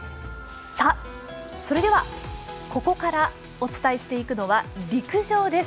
それではここからお伝えしていくのは陸上です。